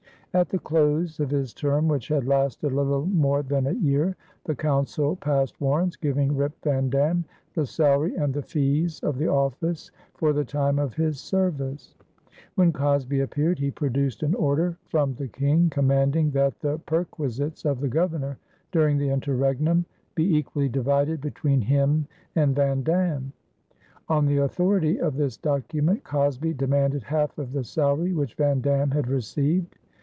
At the close of his term, which had lasted a little more than a year, the Council passed warrants giving Rip van Dam the salary and the fees of the office for the time of his service. When Cosby appeared he produced an order from the King commanding that the perquisites of the Governor during the interregnum be equally divided between him and Van Dam. On the authority of this document, Cosby demanded half of the salary which Van Dam had received.